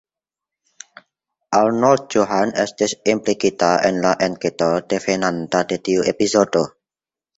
Arnold Johan estis implikita en la enketo devenanta de tiu epizodo.